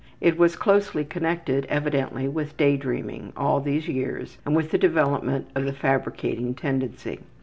It was closely connected evidently with day dreaming all these years and with the development of the fabricating tendency.